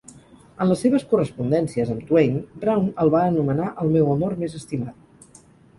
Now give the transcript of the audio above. En les seves correspondències amb Twain, Browne el va anomenar "El meu amor més estimat".